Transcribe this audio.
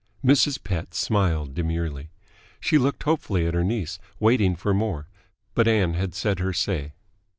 Mrs. Pett smiled demurely. She looked hopefully at her niece, waiting for more, but Ann had said her say.